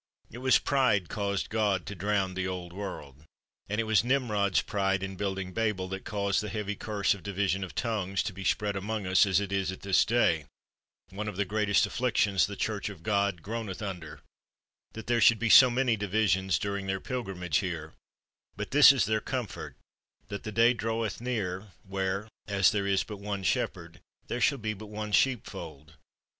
It was pride caused God to drown the old world. And it was Nimrod's pride in building Babel that caused that heavy curse of division of tongues to be spread among us, as it is at this day, one of the greatest afflictions the Church of God groan 147 THE WORLD'S FAMOUS ORATIONS eth under, that there should be so many divisions during their pilgrimage here; but this is their comfort that the day draweth near where, as there is but one shepherd, there shall be but one sheep fold.